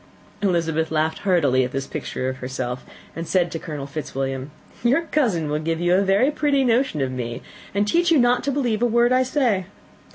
Elizabeth laughed heartily at this picture of herself, and said to Colonel Fitzwilliam, "Your cousin will give you a very pretty notion of me, and teach you not to believe a word I say.